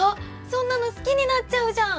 そんなの好きになっちゃうじゃん！